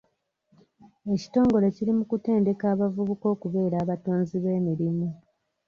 Ekitongole kiri mu kutendeka abavubuka okubeera abatonzi b'emirimu .